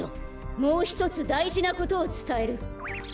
もうひとつだいじなことをつたえる。